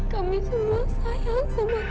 kami semua sayang sama kakak